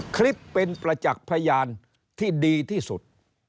คลิปเป็นประจักษ์พยานที่ดีที่สุด